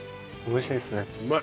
美味しいですね。